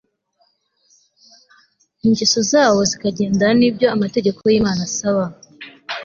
ingeso zabo zikagendana n'ibyo amategeko y'imana asaba